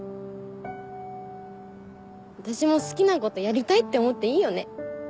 私も好きなことやりたいって思っていいよね？